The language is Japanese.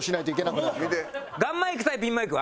ガンマイク対ピンマイク！